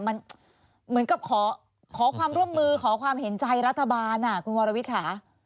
มันเหมือนกับขอความร่วมมือขอความเห็นใจรัฐบาลคุณวรวิทย์ค่ะ